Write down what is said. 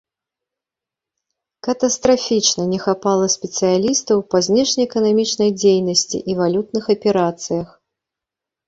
Катастрафічна не хапала спецыялістаў па знешнеэканамічнай дзейнасці і валютных аперацыях.